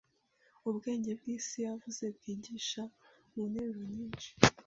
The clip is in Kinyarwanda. Ubwenge bw'isi yavuze bwigisha mu nteruro nyinshi